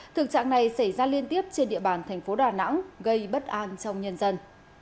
thực trạng này xảy ra liên tiếp trên địa bàn thành phố đà nẵng gây bất an trong nhân dân